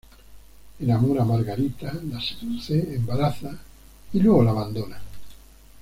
Enamora a Margarita, la seduce, embaraza y luego la abandona.